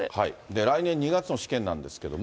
来年２月の試験なんですけども。